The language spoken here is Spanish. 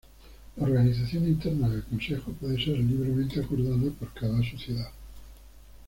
La organización interna del consejo puede ser libremente acordada por cada sociedad.